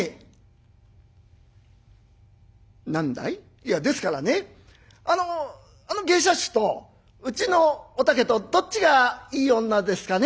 「いやですからねあのあの芸者衆とうちのお竹とどっちがいい女ですかね？」。